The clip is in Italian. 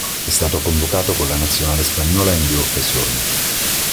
È stato convocato con la nazionale spagnola in due occasioni.